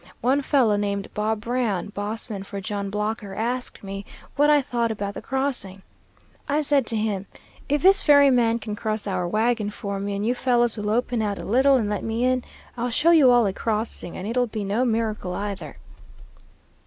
One fellow named Bob Brown, boss man for John Blocker, asked me what I thought about the crossing. I said to him, 'If this ferryman can cross our wagon for me, and you fellows will open out a little and let me in, I'll show you all a crossing, and it'll be no miracle either.'